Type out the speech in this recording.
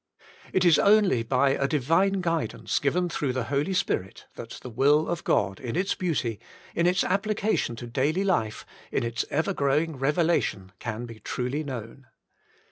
It is only by a divine guidance given through the Holy Spirit, that the will of God in its beauty, in its applica tion to daily life, in its ever growing revelation, can be truly known.